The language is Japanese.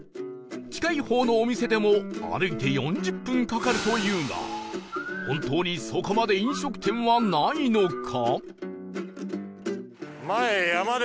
近い方のお店でも歩いて４０分かかるというが本当にそこまで飲食店はないのか？